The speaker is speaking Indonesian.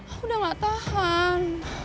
aku udah gak tahan